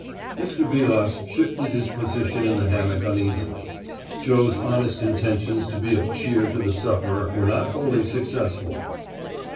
Mr. Vilas shifted his position in the hammock uneasily; Joe's honest intentions to be of cheer to the sufferer were not wholly successful.